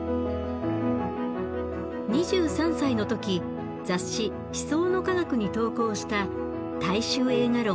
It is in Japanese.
２３歳の時雑誌「思想の科学」に投稿した大衆映画論「仁侠について」が鶴見